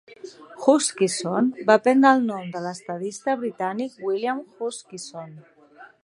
Huskisson va prendre el nom de l'estadista britànic William Huskisson.